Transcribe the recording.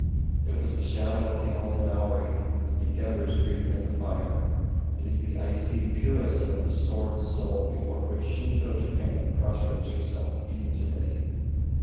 It was the shadow of the All devouring that the Gheburs greeted in the fire. It is the icy purism of the sword soul before which Shinto Japan prostrates herself even to day.